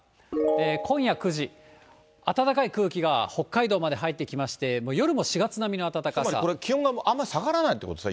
今夜９時、暖かい空気が北海道まで入ってきまして、つまりこれ、気温があんま下がらないってことですか？